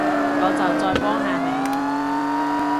我就再幫下你